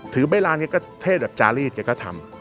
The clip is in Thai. ถือใบล้านเนี่ยก็เทศแบบจารีดเนี่ยก็ทำ